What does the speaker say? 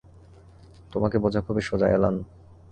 তোমাকে বোঝা খুবই সোজা, অ্যালান।